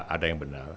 ada yang benar